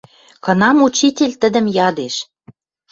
Кынам учитель тӹдӹм ядеш: